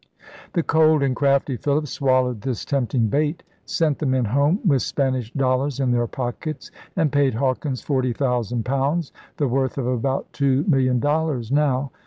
The cold and crafty Philip swallowed this tempting bait; sent the men home with Span ish dollars in their pockets, and paid Hawkins forty thousand pounds, the worth of about two million dollars now.